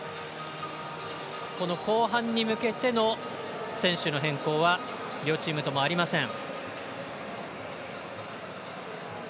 後半に向けての選手の変更は両チームともありません。